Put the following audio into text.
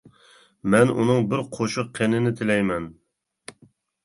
مەن ئۇنىڭ بىر قوشۇق قىننى تىلەيمەن.